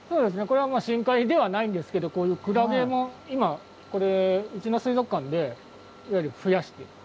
これは深海ではないんですけどこういうクラゲも今うちの水族館で増やしてる。